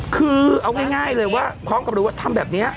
คือเอาง่ายเลยว่าพร้อมกับรู้ว่าทำแบบนี้